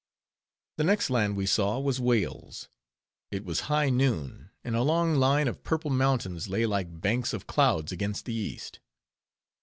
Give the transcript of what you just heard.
The next land we saw was Wales. It was high noon, and a long line of purple mountains lay like banks of clouds against the east.